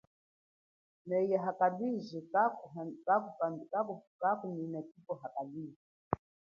Myea a kalwiji kakadhuka ndo kuchikuma.